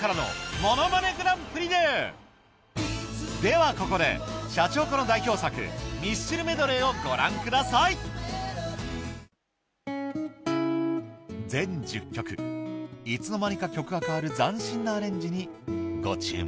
ではここでをご覧ください全１０曲いつの間にか曲が変わる斬新なアレンジにご注目